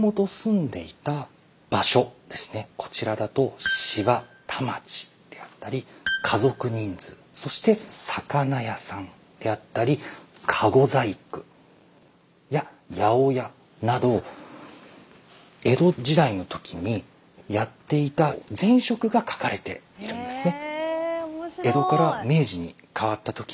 こちらだと芝田町であったり家族人数そして魚屋さんであったりかご細工や八百屋など江戸時代の時にやっていた前職が書かれているんですね。